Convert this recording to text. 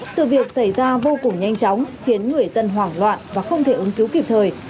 sự việc xảy ra vô cùng nhanh chóng khiến người dân hoảng loạn và không thể ứng cứu kịp thời